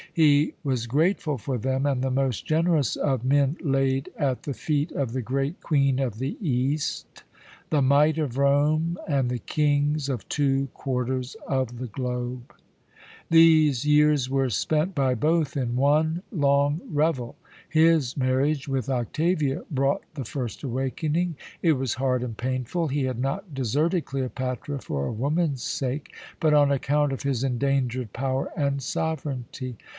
He was grateful for them, and the most generous of men laid at the feet of the 'Great Queen of the East' the might of Rome and the kings of two quarters of the globe. "These years were spent by both in one long revel. His marriage with Octavia brought the first awakening. It was hard and painful. He had not deserted Cleopatra for a woman's sake, but on account of his endangered power and sovereignty.